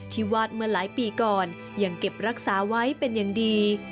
วาดเมื่อหลายปีก่อนยังเก็บรักษาไว้เป็นอย่างดี